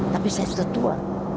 tapi saya sudah tua